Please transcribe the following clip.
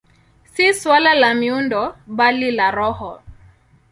Si suala la miundo, bali la roho.